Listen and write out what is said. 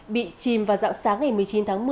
bị chìm vào dạng sáng ngày một mươi chín tháng một mươi